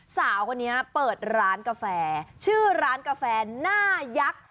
สาวคนนี้เปิดร้านกาแฟชื่อร้านกาแฟหน้ายักษ์